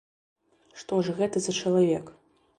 Што ж гэта за чалавек?